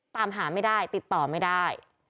ตามหาไม่ได้ติดต่อไม่ได้